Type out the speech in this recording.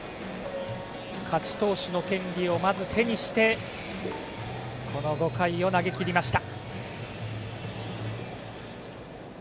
勝ち投手の権利をまず手にしてこの５回を投げきりました。